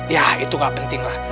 ya itu gak penting lah